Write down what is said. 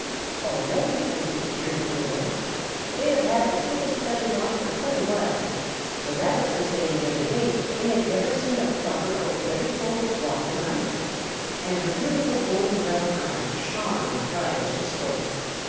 "All ready," answered his cheerful little wife. "They have had their thickest feathers on for quite a while. The Rabbits were saying the other day that they had never seen a plumper or better clothed flock than ours." And her beautiful golden brown eyes shone with pride as she spoke.